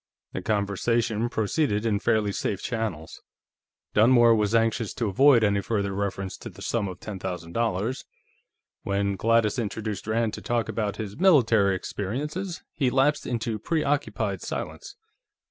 The conversation proceeded in fairly safe channels. Dunmore was anxious to avoid any further reference to the sum of ten thousand dollars; when Gladys induced Rand to talk about his military experiences, he lapsed into preoccupied silence.